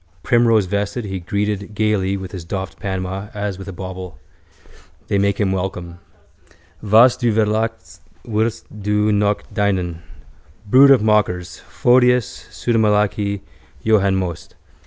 Primrosevested he greeted gaily with his doffed Panama as with a bauble. They make him welcome. Was Du verlachst wirst Du noch dienen. Brood of mockers: Photius, pseudomalachi, Johann Most.